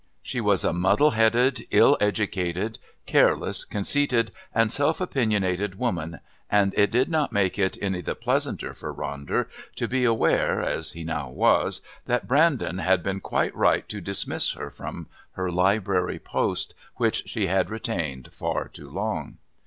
She was a muddle headed, ill educated, careless, conceited and self opinionated woman, and it did not make it any the pleasanter for Ronder to be aware, as he now was, that Brandon had been quite right to dismiss her from her Library post which she had retained far too long.